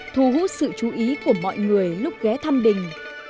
thu hút sự chú ý của mọi người lúc ghé thăm đình